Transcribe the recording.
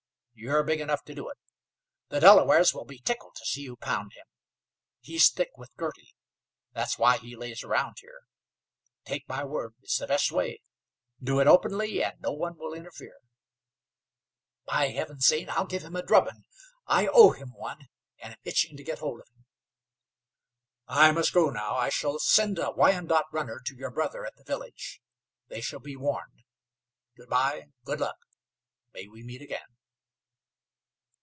You're big enough to do it. The Delawares will be tickled to see you pound him. He's thick with Girty; that's why he lays round here. Take my word, it's the best way. Do it openly, and no one will interfere." "By Heavens, Zane, I'll give him a drubbing. I owe him one, and am itching to get hold of him." "I must go now. I shall send a Wyandot runner to your brother at the village. They shall be warned. Good by. Good luck. May we meet again."